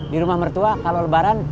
di rumah mertua kalau lebaran